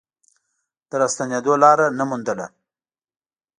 د راستنېدو لاره نه موندله.